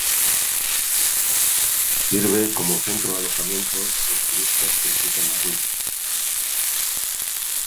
Sirve como centro de alojamiento de los turistas que visitan las ruinas.